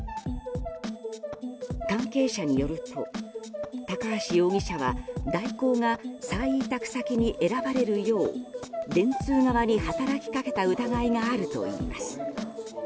関係者によると高橋容疑者は大広が再委託先に選ばれるよう電通側に働きかけた疑いがあるといいます。